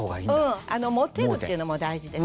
うん持てるっていうのも大事ですね。